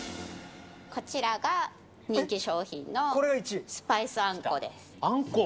こちらが人気商品のスパイスあんこ？